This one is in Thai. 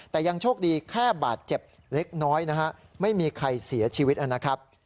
แต่ยังโชคดีแค่บาดเจ็บเล็กน้อยนะฮะไม่มีใครเสียชีวิตนะครับ